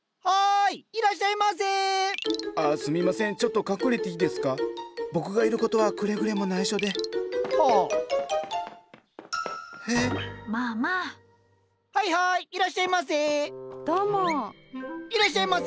いらっしゃいませ。